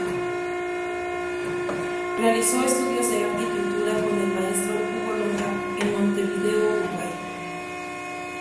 Realizó estudios de arte y pintura con el maestro Hugo Longa en Montevideo, Uruguay.